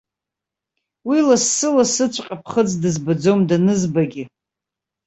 Уи лассы-лассыҵәҟьа ԥхыӡ дызбаӡом, данызбагьы.